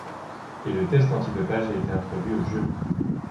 Et le test anti-dopage a été introduit aux Jeux.